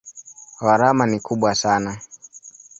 Gharama ni kubwa sana.